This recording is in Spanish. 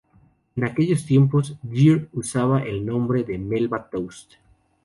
En aquellos tiempos, Gear usaba el nombre "Melba Toast".